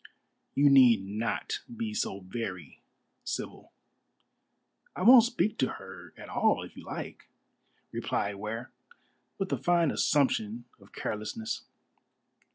"You need not be so very civil." "I won't speak to her at all if you like," replied Ware, with a fine assumption of carelessness.